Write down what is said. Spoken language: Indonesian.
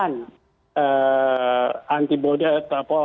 jadi itu ada pertambahan